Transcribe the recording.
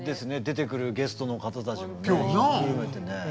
出てくるゲストの方たちもねひっくるめてね。